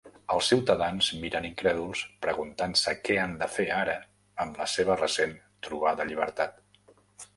Els ciutadans miren incrèduls, preguntant-se què han de fer ara amb la seva recent trobada llibertat.